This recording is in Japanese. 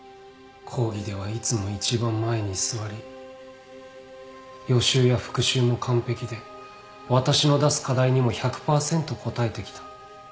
講義ではいつも一番前に座り予習や復習も完璧で私の出す課題にも１００％応えてきた。